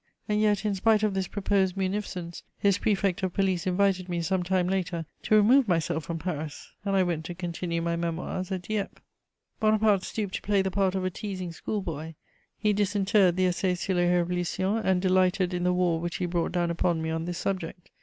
And yet, in spite of this proposed munificence, his Prefect of Police invited me, some time later, to remove myself from Paris, and I went to continue my Memoirs at Dieppe. Bonaparte stooped to play the part of a teasing school boy; he disinterred the Essai sur les Révolutions and delighted in the war which he brought down upon me on this subject.